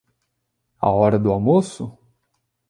A hora do almoço?